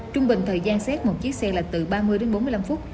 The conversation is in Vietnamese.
trung bình thời gian xét một chiếc xe là từ ba mươi đến bốn mươi năm phút